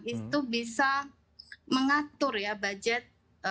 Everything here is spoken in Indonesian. itu bisa mengatur ya budget